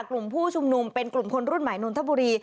กลุ่มผู้ชุมนุมเป็นกลุ่มคนรุ่นใหม่นนทบุรี